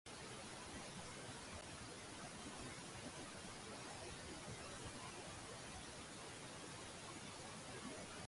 愛滋病暫時仲未有得醫